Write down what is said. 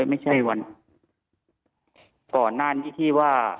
ไม่ใช่วันก่อนหน้านี้ที่ว่า